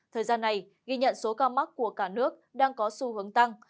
thời gian này ghi nhận số ca mắc của cả nước đang có xu hướng tăng